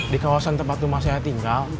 di kawasan tempat rumah saya tinggal